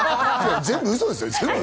全部ウソですよ。